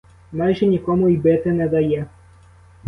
Майже нікому й бити не дає!